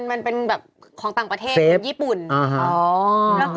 มันเป็นแบบของต่างประเทศแบบญี่ปุ่น